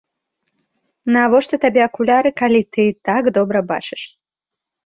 Навошта табе акуляры калі ты і так добра бачыш?